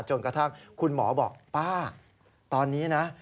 จนกระทั่งคุณหมอบอกป้าตอนนี้นะ